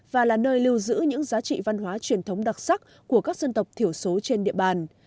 và là nơi lưu giữ những giá trị văn hóa truyền thống đặc sắc của các dân tộc thiểu số trên địa bàn